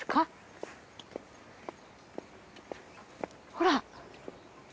ほら。